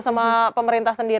sama pemerintah swasta